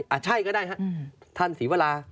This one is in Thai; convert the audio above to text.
ก็ได้ค่ะท่านศีวรา